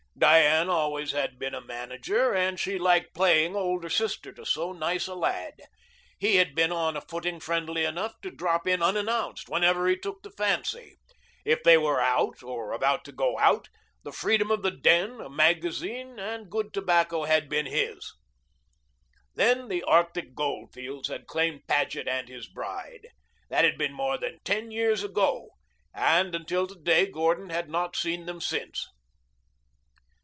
Diane always had been a manager, and she liked playing older sister to so nice a lad. He had been on a footing friendly enough to drop in unannounced whenever he took the fancy. If they were out, or about to go out, the freedom of the den, a magazine, and good tobacco had been his. Then the Arctic gold fields had claimed Paget and his bride. That had been more than ten years ago, and until to day Gordon had not seen them since.